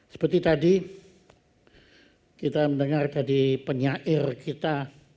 seperti tadi kita mendengar tadi penyair kita